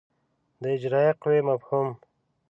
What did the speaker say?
د اجرایه قوې مفهوم